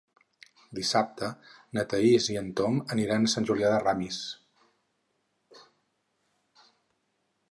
Dissabte na Thaís i en Tom aniran a Sant Julià de Ramis.